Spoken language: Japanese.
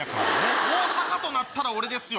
大阪となったら俺ですよ